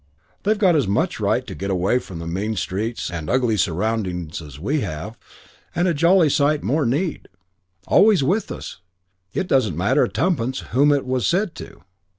They've got as much right to get away from mean streets and ugly surroundings as we have and a jolly sight more need. Always with us. It doesn't matter tuppence whom it was said to."